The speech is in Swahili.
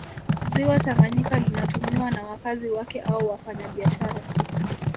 Ziwa Tanganyika linatumiwa na wakazi wake au wafanya biashara